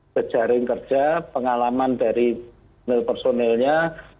berjaring kerja pengalaman dari mil personelnya